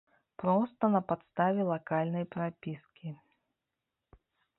Проста на падставе лакальнай прапіскі.